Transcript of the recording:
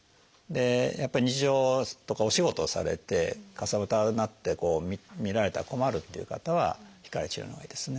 やっぱ日常とかお仕事をされてかさぶたになって見られたら困るっていう方は光治療のほうがいいですね。